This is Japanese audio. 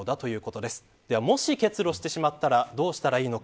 では、もし結露してしまったらどうしたらいいのか。